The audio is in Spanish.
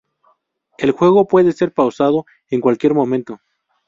El juego puede ser pausado en cualquier momento.